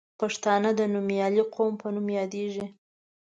پښتانه د نومیالي قوم په نوم یادیږي.